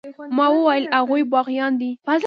ملا وويل هغوى باغيان دي.